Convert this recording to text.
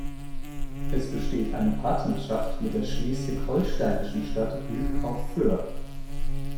Es besteht eine Partnerschaft mit der Schleswig-Holsteinischen Stadt Wyk auf Föhr.